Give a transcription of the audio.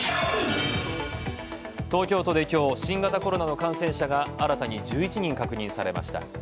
東京都で今日、新型コロナの感染者が新たに１１人確認されました。